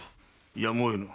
やむを得ぬ。